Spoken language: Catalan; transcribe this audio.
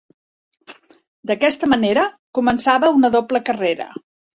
D'aquesta manera, començava una doble carrera.